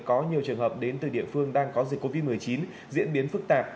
có nhiều trường hợp đến từ địa phương đang có dịch covid một mươi chín diễn biến phức tạp